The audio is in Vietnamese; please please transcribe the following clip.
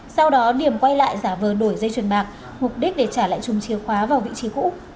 sau đó điểm quay lại giả vờ đổi dây chuyền bạc mục đích để trả lại chung chìa khóa vào vị trí cũ